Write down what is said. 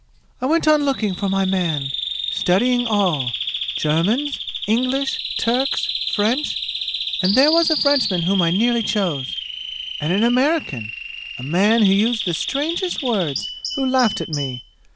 "I went on looking for my man studying all, Germans, English, Turks, French and there was a Frenchman whom I nearly chose and an American, a man who used the strangest words, who laughed at me.